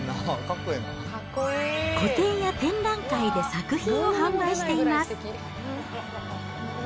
個展や展覧会で作品を販売しています。